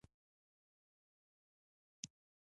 علم عربي کلمه ده.